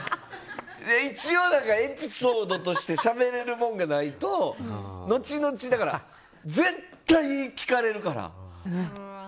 一応、エピソードとしてしゃべれるものがないと後々、絶対に聞かれるから。